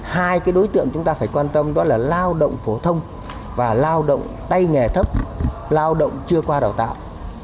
hai đối tượng chúng ta phải quan tâm đó là lao động phổ thông và lao động tay nghề thấp lao động chưa qua đào tạo